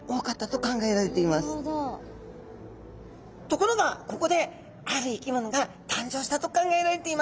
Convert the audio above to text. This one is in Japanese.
ところがここである生き物が誕生したと考えられています。